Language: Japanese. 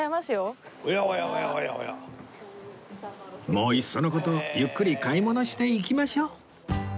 もういっその事ゆっくり買い物していきましょう